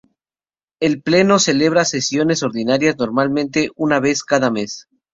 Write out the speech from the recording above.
El Pleno celebra sesiones ordinarias normalmente una vez cada mes.